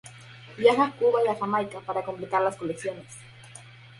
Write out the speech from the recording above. Viaja a Cuba y a Jamaica para completar las colecciones.